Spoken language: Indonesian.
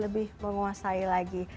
lebih menguasai lagi